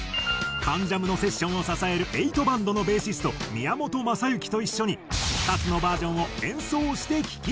『関ジャム』のセッションを支える∞バンドのベーシスト宮本將行と一緒に２つのバージョンを演奏して聴き比べ。